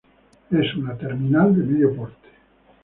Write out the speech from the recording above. Es una Terminal de medio porte.